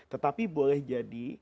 tetapi boleh jadi